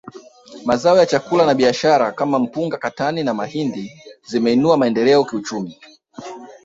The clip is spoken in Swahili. Mazao ya chakula na biashara kama mpunga katani na mahindi zimeinua maendeleo kiuchumi